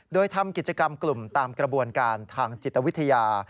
โดยทำกิจกรรมกลุ่มตามกระบวนการทางจิตวิทยา